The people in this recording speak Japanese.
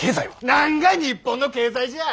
何が日本の経済じゃ！